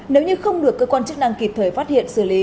nếu như không được cơ quan chức năng kịp thời phát hiện xử lý